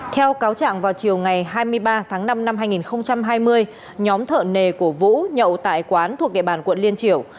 theo cáo trạng vào chiều ngày hai mươi ba tháng năm năm hai nghìn hai mươi nhóm thợ nề của vũ nhậu tại quán thuộc địa bàn quận liên triểu